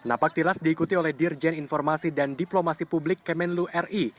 napak tiras diikuti oleh dirjen informasi dan diplomasi publik kemenlu ri